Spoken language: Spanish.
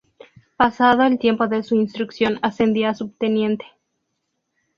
Pasado el tiempo de su instrucción ascendía a subteniente.